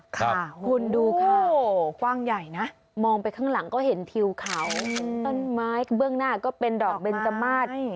คุณดูค่ะกว้างใหญ่นะมองไปข้างหลังก็เห็นทิวเขาต้นไม้เบื้องหน้าก็เป็นดอกเบนจมาส